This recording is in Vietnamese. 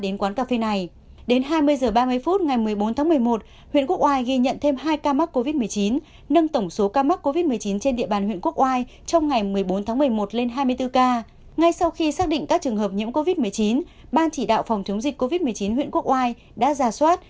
ngay sau khi xác định các trường hợp nhiễm covid một mươi chín ban chỉ đạo phòng chống dịch covid một mươi chín huyện quốc oai đã giả soát